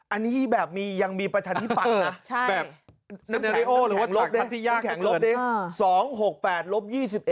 อันนี้แบบมียังมีประชาธิปัตย์นะแบบนับแข็งหรือว่าแข็งลบนี่แข็งลบนี่